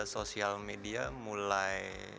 sosial media mulai